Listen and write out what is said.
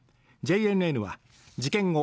ＪＮＮは事件後